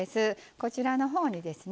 こちらの方にですね